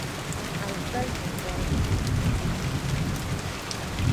N alkalmi bɔrgimi.